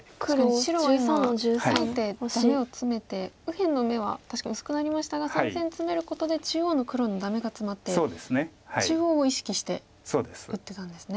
確かに白は今あえてダメをツメて右辺の眼は確かに薄くなりましたが３線ツメることで中央の黒のダメがツマって中央を意識して打ってたんですね。